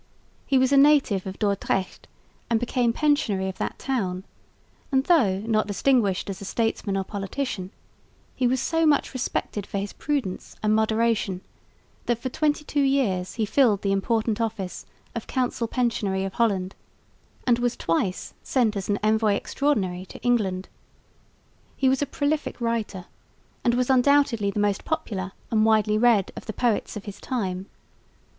He was a native of Dordrecht and became pensionary of that town, and, though not distinguished as a statesman or politician, he was so much respected for his prudence and moderation that for twenty two years he filled the important office of Council Pensionary of Holland and was twice sent as an Envoy Extraordinary to England. He was a prolific writer and was undoubtedly the most popular and widely read of the poets of his time.